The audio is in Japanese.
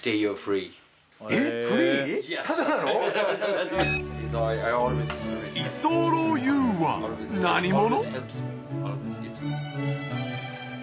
居候ＹＯＵは何者？